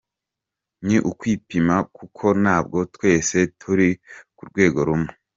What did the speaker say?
Ni ukwipima kuko ntabwo twese turi ku rwego rumwe.